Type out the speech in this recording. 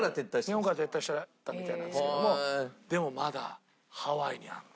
日本から撤退してたみたいなんですけどもでもまだハワイにあるの。